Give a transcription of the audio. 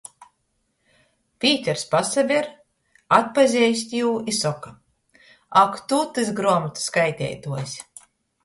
Pīters, pasaver, atpazeist jū i soka: Ak tu tys gruomotu skaiteituojs!